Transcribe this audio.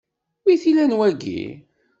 Wi t-ilan wagi?